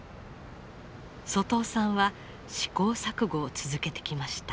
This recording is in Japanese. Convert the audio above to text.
外尾さんは試行錯誤を続けてきました。